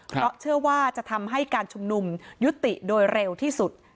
เพราะเชื่อว่าจะทำให้การชุมนุมยุติโดยเร็วที่สุด